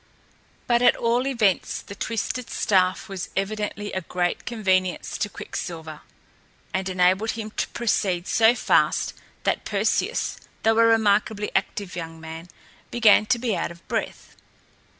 But at all events, the twisted staff was evidently a great convenience to Quicksilver, and enabled him to proceed so fast that Perseus, though a remarkably active young man, began to be out of breath.